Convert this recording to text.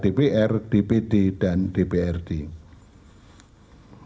dan kemampuan pemilu yang diatur dalam undang undang nomor tujuh tahun dua ribu tujuh belas